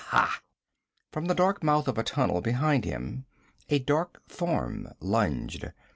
Ha!' From the dark mouth of a tunnel behind him a dark form lunged.